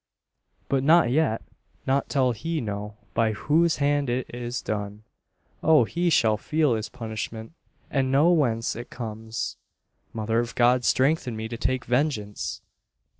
"But not yet not till he know, by whose hand it is done. Oh! he shall feel his punishment, and know whence it comes. Mother of God, strengthen me to take vengeance!"